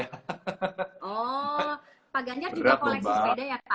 pak ganjar juga koleksi sepeda ya pak